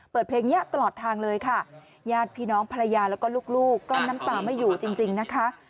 เพลงนี้ตลอดทางเลยค่ะญาติพี่น้องภรรยาแล้วก็ลูกกลั้นน้ำตาไม่อยู่จริงนะคะ